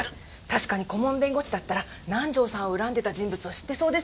確かに顧問弁護士だったら南条さんを恨んでた人物を知ってそうですよね。